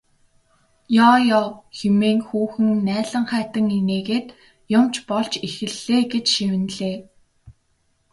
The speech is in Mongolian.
Ёо ёо хэмээн хүүхэн наалинхайтан инээгээд юм ч болж эхэллээ гэж шивнэлээ.